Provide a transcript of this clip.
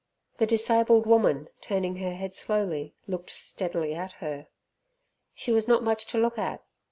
The disabled woman, turning her head slowly, looked steadily at her. She was not much to look at.